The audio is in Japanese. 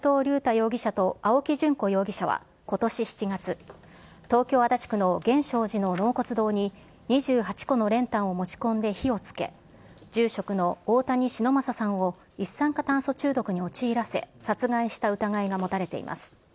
容疑者と青木淳子容疑者はことし７月、東京・足立区の源証寺の納骨堂に、２８個の練炭を持ち込んで火をつけ、住職の大谷忍昌さんを一酸化炭素中毒に陥らせ、殺害した疑いが持たれています。